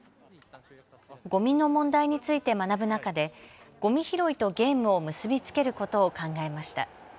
ごみの問題について学ぶ中でごみ拾いとゲームを結び付けることを考えました。